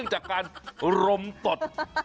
จากการรมตด